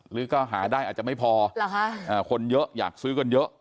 หรือก็หาได้อาจจะไม่พอคนเยอะอยากซื้อกันเยอะ